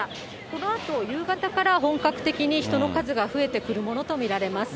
このあと、夕方から本格的に人の数が増えてくるものと見られます。